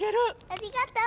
ありがとう！